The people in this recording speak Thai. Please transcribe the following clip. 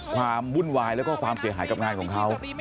ความวุ่นวายแล้วก็ความเสียหายกับงานของเขา